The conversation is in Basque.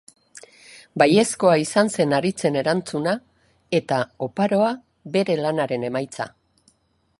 Baiezkoa izan zen Haritzen erantzuna, eta oparoa bere lanaren emaitza.